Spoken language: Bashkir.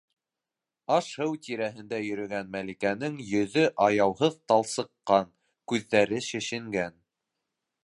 Аш-Һыу тирәһендә йөрөгән Мәликәнең йөҙө аяуһыҙ талсыҡҡан, күҙҙәре шешенгән: